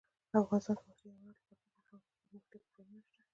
افغانستان کې د وحشي حیوانات لپاره دپرمختیا پروګرامونه شته.